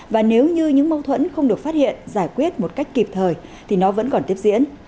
và nếu như những mâu thuẫn không được phát hiện giải quyết một cách kịp thời thì nó vẫn còn tiếp diễn